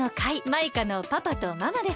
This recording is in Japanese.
マイカのパパとママです。